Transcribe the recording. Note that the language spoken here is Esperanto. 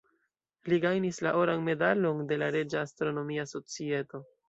Li gajnis la Oran Medalon de la Reĝa Astronomia Societo.